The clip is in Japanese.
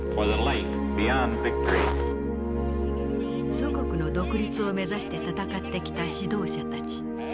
祖国の独立を目指して戦ってきた指導者たち。